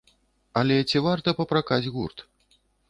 Але ці варта папракаць гурт?